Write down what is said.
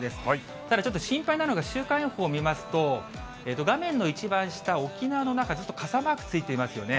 ただ、ちょっと心配なのが、週間予報見ますと、画面の一番下、沖縄の那覇、ずっと傘マークついていますよね。